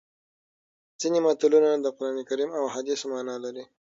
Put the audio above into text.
ځینې متلونه د قرانکریم او احادیثو مانا لري